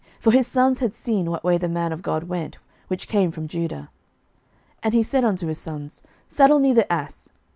For his sons had seen what way the man of God went, which came from Judah. 11:013:013 And he said unto his sons, Saddle me the ass.